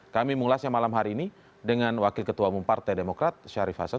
kami mengulasnya malam hari ini dengan wakil ketua umum partai demokrat syarif hasan